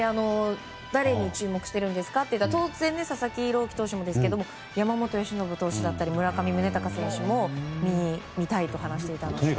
誰に注目してるんですか？と聞いたら当然ですが佐々木朗希投手や山本由伸投手だったり村上宗隆選手も見たいと話していました。